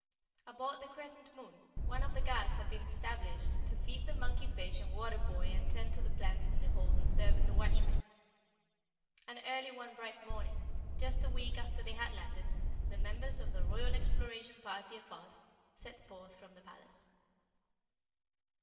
Aboard the Crescent Moon one of the Guards had been established to feed the monkey fish and water boy and tend to the plants in the hold and serve as watchman. And early one bright morning, just a week after they had landed, the members of the Royal Exploration Party of Oz set forth from the palace.